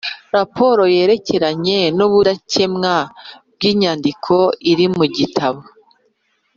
Raporo yerekeranye n’ubudakemwa bw’inyandiko iri mu gitabo